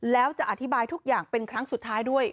แล้วจะอธิบายทุกอย่างเป็นครั้งสุดท้ายด้วย